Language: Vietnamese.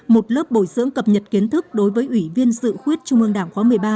một lớp bồi dưỡng cập nhật kiến thức đối với ủy viên dự khuyết trung ương đảng khóa một mươi ba